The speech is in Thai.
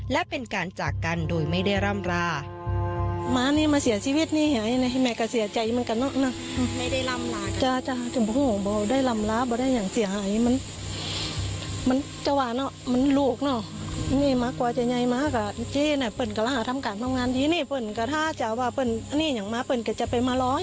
และเป็นการจากกันโดยไม่ได้ร่ำรา